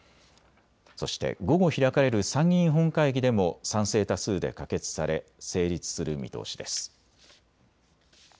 そして午後開かれる参議院本会議でも賛成多数で可決され成立する見通しです。